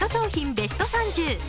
ベスト３０。